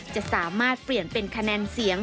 จะสามารถเปลี่ยนเป็นคะแนนเสียง